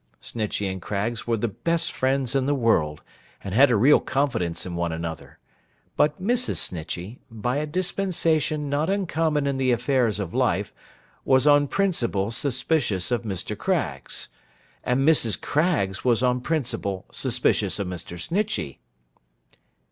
Snitchey and Craggs were the best friends in the world, and had a real confidence in one another; but Mrs. Snitchey, by a dispensation not uncommon in the affairs of life, was on principle suspicious of Mr. Craggs; and Mrs. Craggs was on principle suspicious of Mr. Snitchey.